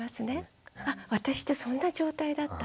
あ私ってそんな状態だったの？